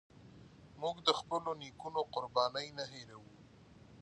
موږ د خپلو نيکونو قربانۍ نه هيروو.